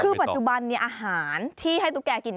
คือปัจจุบันอาหารที่ให้ตุ๊กแกกิน